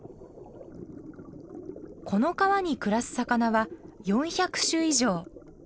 この川に暮らす魚は４００種以上。